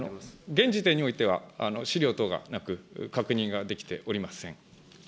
現時点においては、資料等がなく確認ができておりません。